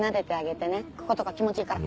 こことか気持ちいいから。